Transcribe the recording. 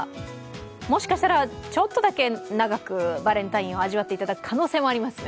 もしかしたら、ちょっとだけ長くバレンタインを味わっていただく可能性もありますね。